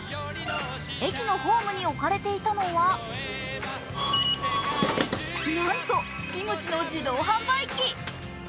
駅のホームに置かれていたのはなんとキムチの自動販売機。